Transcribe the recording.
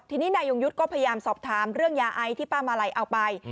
ทีนี้นายยงยุทธ์ก็พยายามสอบถามเรื่องยาไอที่ป้ามาลัยเอาไป